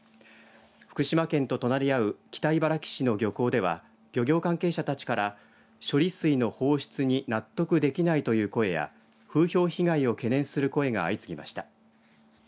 福島県と隣り合う北茨木市の漁港では漁業関係者たちから処理水の放出に納得できないという声や風評被害を懸念する声が相次ぎました。